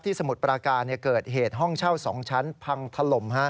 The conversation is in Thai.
ที่สมุทรปราการเนี่ยเกิดเหตุห้องเช่า๒ชั้นพังทะลม